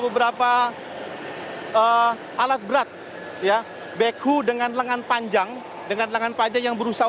beberapa alat berat ya beku dengan lengan panjang dengan lengan panjang yang berusaha